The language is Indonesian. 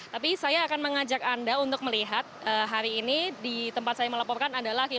tapi saya akan mengajak anda untuk melihat hari ini di tempat saya melaporkan adalah